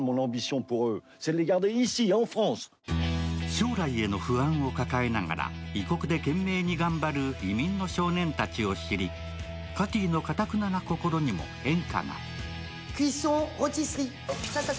将来への不安を抱えながら異国で懸命に頑張る移民の少年たちを知り、カティのかたくなな心にも変化が。